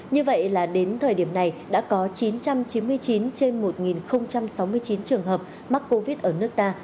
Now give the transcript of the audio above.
như vậy là đến thời điểm này đã có chín trăm chín mươi chín trên một sáu mươi chín trường hợp mắc covid ở nước ta